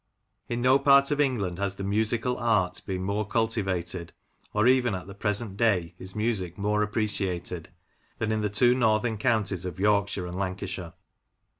In no part of England has the musical art been more cultivated, or even at the present day is music more appreciated, than in the two northern counties of Yorkshire and Lancashire.